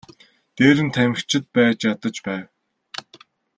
Дээр нь тамхичид байж ядаж байв.